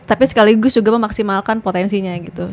tapi sekaligus juga memaksimalkan potensinya gitu